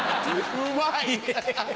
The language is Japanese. うまい！